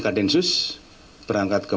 kadensus berangkat ke